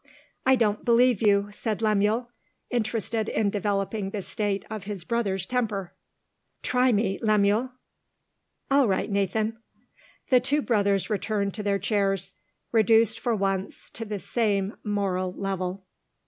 "I don't believe you," said Lemuel interested in developing the state of his brother's temper. "Try me, Lemuel." "All right, Nathan." The two brothers returned to their chairs; reduced for once to the same moral level.